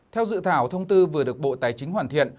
theo dự thảo thông tư vừa được bộ tài chính hoàn thiện